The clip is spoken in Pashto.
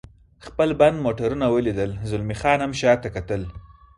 خپل بند موټرونه ولیدل، زلمی خان هم شاته کتل.